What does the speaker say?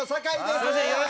すいません。